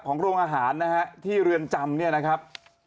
โรงอาหารนะฮะที่เรือนจำเนี่ยนะครับ